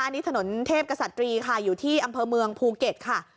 อันนี้ถนนเทพกษัตรีค่ะอยู่ที่อำเภอเมืองภูเก็ตค่ะ